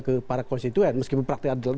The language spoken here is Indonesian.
ke para konstituen meskipun praktik ada